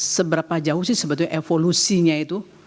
seberapa jauh sih sebetulnya evolusinya itu